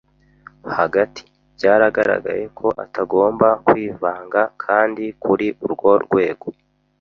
hagati. Byaragaragaye ko atagomba kwivanga, kandi kuri urwo rwego,